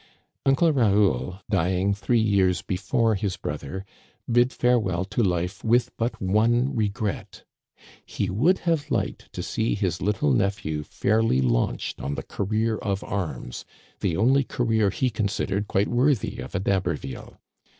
Uncle Raoul, dying three years before his brother, bid farewell to life with but one regret. He would have liked to see his little nephew fairly launched on the career of arms, the only career he considered quite worthy of a D'Haberville.